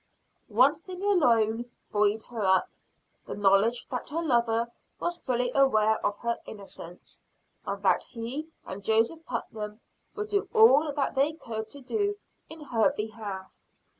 One thing alone buoyed her up the knowledge that her lover was fully aware of her innocence; and that he and Joseph Putnam would do all that they could do in her behalf.